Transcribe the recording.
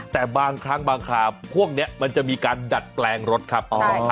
แต่บางครั้งบางคราวพวกนี้มันจะมีการดัดแปลงรถครับ